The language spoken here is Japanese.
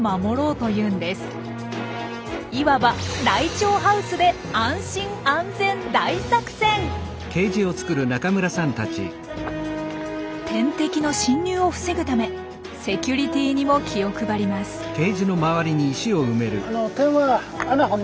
いわば天敵の侵入を防ぐためセキュリティーにも気を配ります。